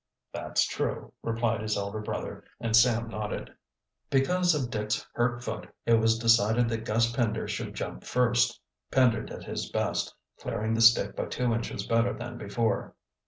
"That's true," replied his elder brother, and Sam nodded. Because of Dick's hurt foot it was decided that Gus Pender should jump first. Pender did his best, clearing the stick by two inches better than before.